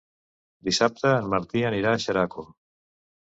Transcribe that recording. Dissabte en Martí anirà a Xeraco.